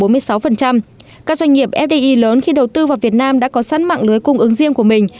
các doanh nghiệp fdi lớn khi đầu tư vào việt nam đã có sẵn mạng lưới cung ứng riêng của mình